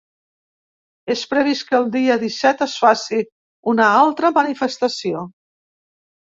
És previst que el dia disset es faci una altra manifestació.